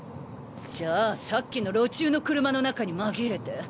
じゃあさっきの路駐の車の中に紛れて。